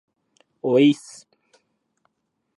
おいーっす